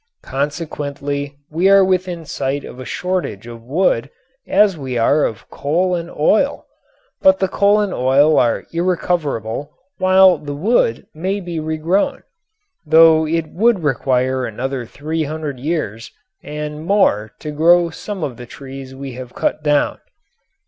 Consequently we are within sight of a shortage of wood as we are of coal and oil. But the coal and oil are irrecoverable while the wood may be regrown, though it would require another three hundred years and more to grow some of the trees we have cut down.